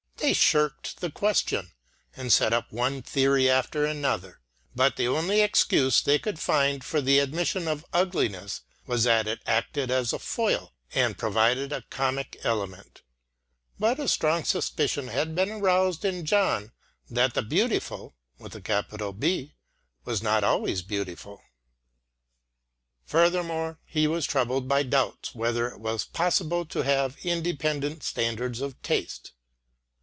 They shirked the question and set up one theory after another, but the only excuse they could find for the admission of ugliness was that it acted as a foil, and provided a comic element. But a strong suspicion had been aroused in John that the "Beautiful" was not always beautiful. Furthermore, he was troubled by doubts whether it was possible to have independent standards of taste.